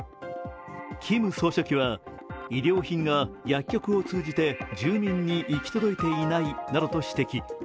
キム総書記は医療品が薬局を通じて住民に行き届いていないなどと指摘。